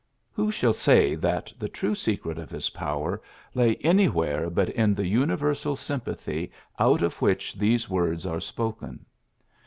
" Who shall say that the true secret of his power lay any where but in the universal sympathy out of which these words are spoken!